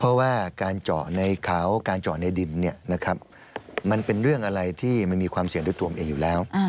เพราะว่าการเจาะในเขาการเจาะในดินมันเป็นเรื่องอะไรที่มันมีความเสี่ยงด้วยตัวผมเองอยู่แล้ว